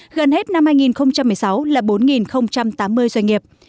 gần hết năm hai nghìn một mươi sáu là bốn tám mươi doanh nghiệp